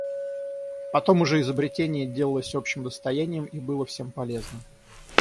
Потом уже изобретение делалось общим достоянием и было всем полезно.